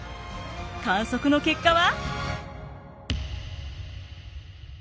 観測の結果は。